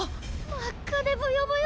真っ赤でブヨブヨ。